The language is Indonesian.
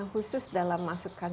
nah khusus dalam masukkan